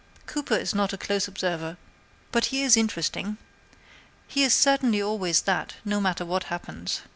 Cooper is not a close observer, but he is interesting. He is certainly always that, no matter what happens.